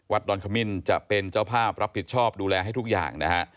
ดอนขมิ้นจะเป็นเจ้าภาพรับผิดชอบดูแลให้ทุกอย่างนะฮะ